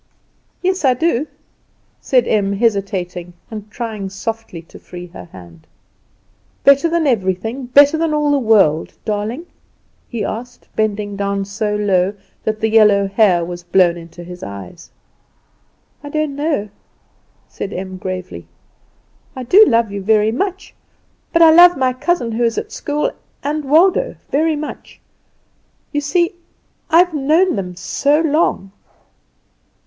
"Yes, I do," said Em, hesitating, and trying softly to free her hand. "Better than everything; better than all the world, darling?" he asked, bending down so low that the yellow hair was blown into his eyes. "I don't know," said Em, gravely. "I do love you very much; but I love my cousin who is at school, and Waldo, very much. You see I have known them so long!"